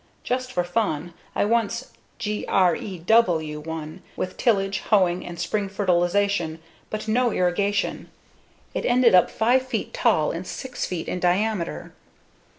Just for fun, I once G R E W one, with tillage, hoeing, and spring fertilization but no irrigation; it ended up 5 feet tall and 6 feet in diameter.